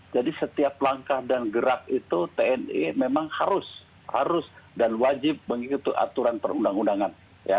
jadi setiap langkah dan gerak itu tni memang harus harus dan wajib mengikuti aturan perundang undangan